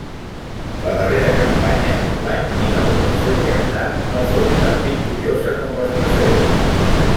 La darrera campanya, l'any dinou del seu regnat, no fou tan victoriosa com les precedents.